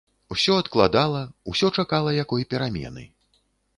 Усё адкладала, усё чакала якой перамены.